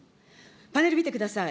パネル見てください。